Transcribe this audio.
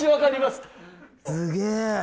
すげえ！